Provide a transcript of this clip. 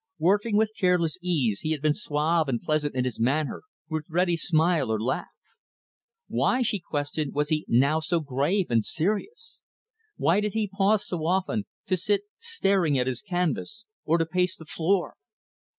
Working with careless ease, he had been suave and pleasant in his manner, with ready smile or laugh. Why, she questioned, was he, now, so grave and serious? Why did he pause so often, to sit staring at his canvas, or to pace the floor?